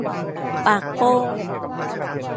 ปากโป้ง